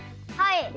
はい。